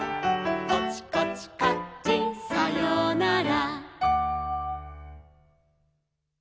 「コチコチカッチンさようなら」